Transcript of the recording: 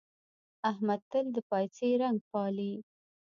احمد تل د پايڅې رنګ پالي.